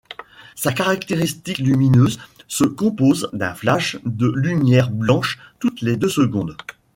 Sa caractéristique lumineuse se compose d'un flash de lumière blanche toutes les deux secondes.